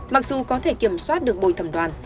mặc dù có thể kiểm soát được bồi thẩm đoàn